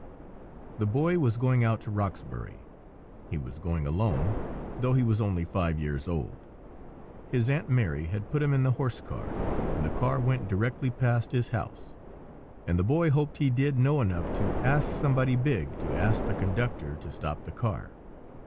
THE Boy was going out to Roxbury. He was going alone, though he was only five years old. His Aunt Mary had put him in the horse car, and the car went directly past his house; and the Boy "hoped he did know enough to ask somebody big to ask the conductor to stop the car."